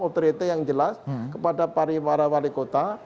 authority yang jelas kepada pariwara wali kota